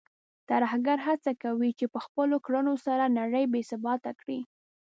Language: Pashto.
ترهګر هڅه کوي چې په خپلو کړنو سره نړۍ بې ثباته کړي.